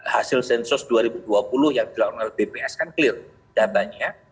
hasil sensus dua ribu dua puluh yang dilakukan oleh bps kan clear datanya